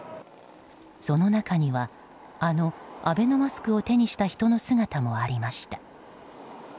その中には、あのアベノマスクを手にした人の姿もありました。